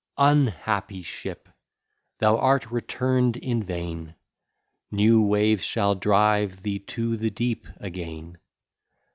Unhappy ship, thou art return'd in vain; New waves shall drive thee to the deep again.